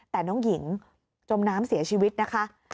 แต่น้องหญิงจมน้ำเสียชีวิตนะคะ